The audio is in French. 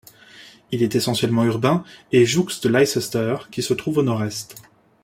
Il est essentiellement urbain et jouxte Leicester, qui se trouve au nord-est.